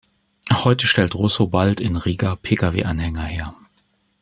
Heute stellt Russo-Balt in Riga Pkw-Anhänger her.